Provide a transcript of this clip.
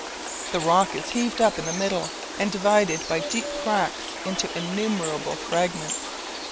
The rock is heaved up in the middle, and divided by deep cracks into innumerable fragments.